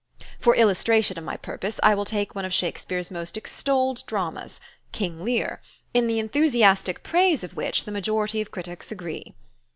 For illustration of my purpose I will take one of Shakespeare's most extolled dramas, "King Lear," in the enthusiastic praise of which, the majority of critics agree.